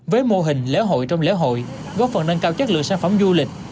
với mô hình lễ hội trong lễ hội góp phần nâng cao chất lượng sản phẩm du lịch